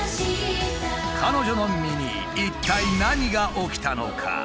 彼女の身に一体何が起きたのか？